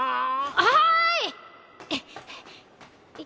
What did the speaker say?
はい！